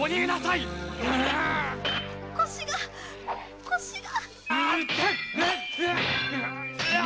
腰が腰が！